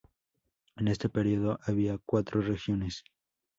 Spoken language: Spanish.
En este periodo había cuatro regiones.